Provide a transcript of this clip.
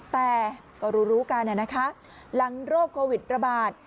แต่ก็รู้รู้กันนะคะหลังโรคโควิดระบาด